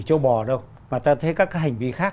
châu bò đâu mà ta thấy các cái hành vi khác